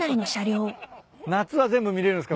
夏は全部見れるんすか？